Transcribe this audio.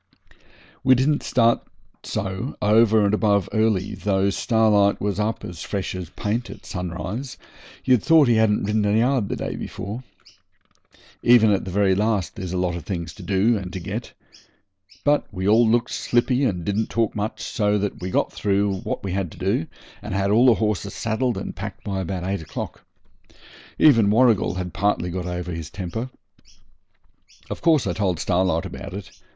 We didn't start so over and above early, though Starlight was up as fresh as paint at sunrise, you'd thought he hadn't ridden a yard the day before. Even at the very last there's a lot of things to do and to get. But we all looked slippy and didn't talk much, so that we got through what we had to do, and had all the horses saddled and packed by about eight o'clock. Even Warrigal had partly got over his temper. Of course I told Starlight about it.